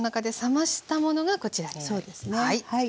はい。